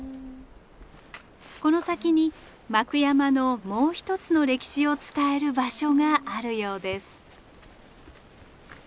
この先に幕山のもう一つの歴史を伝える場所があるようです。